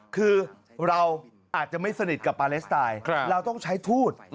คือเราอาจจะไม่สนิทกับปาเลสไตน์เราต้องใช้ทูต